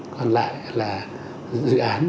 còn lại là dự án